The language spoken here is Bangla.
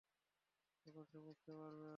তখন সে বুঝতে পারবে।